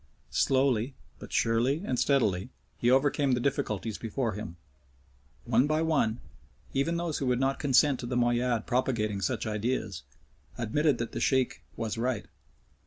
Slowly, but surely and steadily, he overcame the difficulties before him. One by one, even those who would not consent to the Moayyad propagating such ideas, admitted that the Sheikh was right.